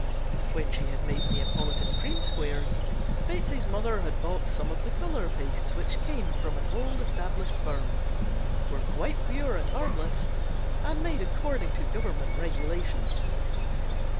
When she had made Neapolitan Cream Squares (see page 95) Betsey's mother had bought some of the color pastes which came from an old established firm, were quite pure and harmless, and made according to government regulations.